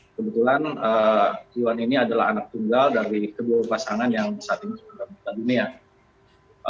kebetulan iwan ini adalah anak tunggal dari kedua pasangan yang saat ini sudah meninggal dunia